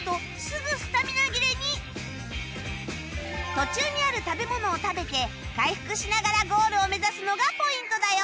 途中にある食べ物を食べて回復しながらゴールを目指すのがポイントだよ